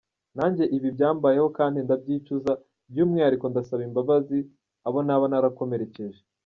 Nange ibi byambayeho kandi ndabyicuza, by’umwihariko ndasaba imbabazi abo naba narakomerekeje.